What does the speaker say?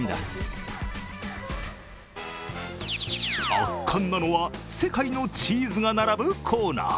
圧巻なのは世界のチーズが並ぶコーナー。